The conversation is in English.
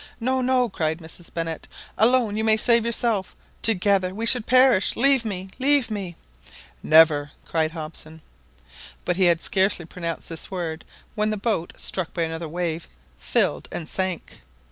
"No, no," cried Mrs Barnett : "alone, you may save yourself; together, we should perish. Leave me! leave me!" "Never!" cried Hobson. But he had scarcely pronounced this word when the boat, struck by another wave, filled and sank.